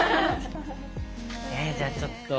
えっじゃあちょっと。